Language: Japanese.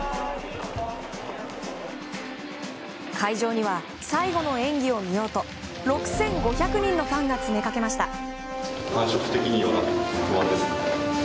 会場には最後の演技を見ようと６５００人のファンが詰めかけました。